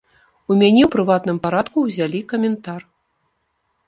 У мяне ў прыватным парадку ўзялі каментар.